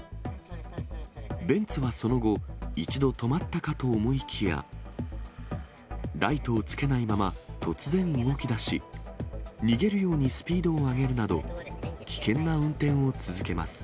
ベンツはその後、一度止まったかと思いきや、ライトをつけないまま、突然、動きだし、逃げるようにスピードを上げるなど、危険な運転を続けます。